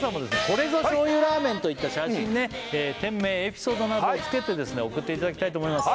これぞ醤油ラーメンといった写真ね店名エピソードなどをつけて送っていただきたいと思います